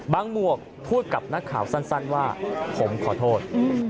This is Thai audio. หมวกพูดกับนักข่าวสั้นว่าผมขอโทษ